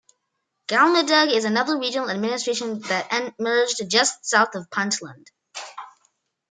Galmudug is another regional administration that emerged just south of Puntland.